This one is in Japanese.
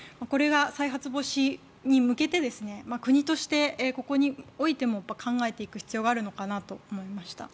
再発防止に向けて国としてここにおいても考えていく必要があるのかなという気がしました。